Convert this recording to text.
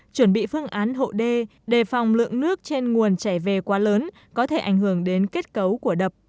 chuẩn bị phương án hộ đê đề phòng lượng nước trên nguồn chảy về quá lớn có thể ảnh hưởng đến kết cấu của đập